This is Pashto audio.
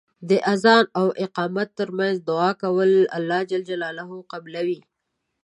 اذان او اقامت تر منځ دعا کول الله ج قبلوی .